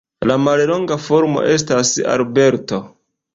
La mallonga formo estas Alberto.